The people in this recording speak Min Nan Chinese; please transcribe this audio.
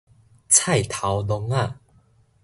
菜頭籠仔